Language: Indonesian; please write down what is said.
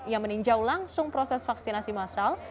yang meninjau langsung proses vaksinasi masal